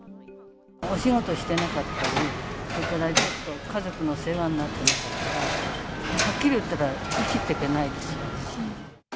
お仕事してなかったらね、家族の世話になってなかったら、はっきり言って、生きていけないですよ。